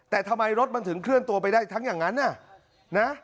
แต่ทำไมรถมันถึงเคลื่อนตัวไปได้ทั้งอย่างนั้นน่ะนะ